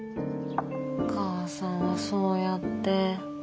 お母さんはそうやって。